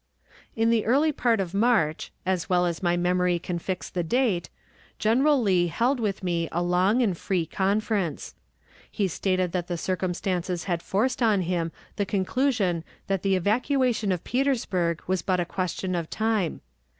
In the early part of March, as well as my memory can fix the date, General Lee held with me a long and free conference. He stated that the circumstances had forced on him the conclusion that the evacuation of Petersburg was but a question of time.